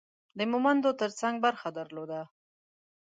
د مومندو ترڅنګ برخه درلوده.